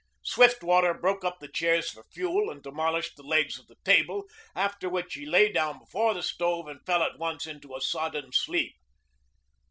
Swiftwater broke up the chairs for fuel and demolished the legs of the table, after which he lay down before the stove and fell at once into a sodden sleep.